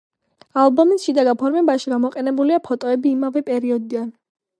ალბომის შიდა გაფორმებაში გამოყენებულია ფოტოები იმავე პერიოდიდან.